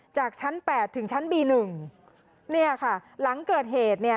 จากชั้นแปดถึงชั้นบีหนึ่งเนี่ยค่ะหลังเกิดเหตุเนี่ย